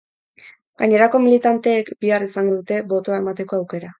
Gainerako militanteek bihar izango dute botoa emateko aukera.